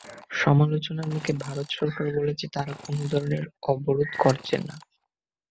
সমালোচনার মুখে ভারত সরকার বলেছে, তারা কোনো ধরনের অবরোধ করছে না।